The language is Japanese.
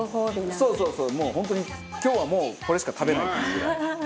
そうそうそうもう本当に今日はもうこれしか食べないっていうぐらい。